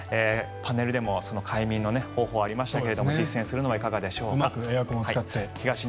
パネルでも快眠の方法がありましたが実践するのはいかがでしょうか。